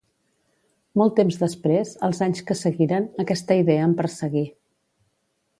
Molt temps després, els anys que seguiren, aquesta idea em perseguí.